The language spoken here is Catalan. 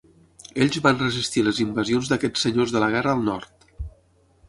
Ells van resistir les invasions d'aquests senyors de la guerra al nord.